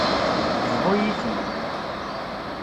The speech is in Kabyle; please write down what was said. Bḍu-yi-t-id.